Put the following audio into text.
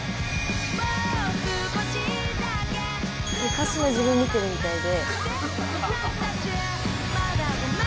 昔の自分見てるみたいで。